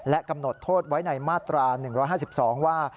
กำหนดโทษไว้ในมาตรา๑๕๒ว่า